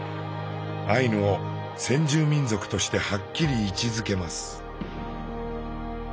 アイヌを先住民族としてはっきり位置づけます。